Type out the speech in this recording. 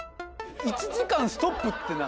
・１時間ストップって何？